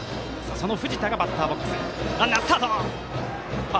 その藤田がバッターボックス。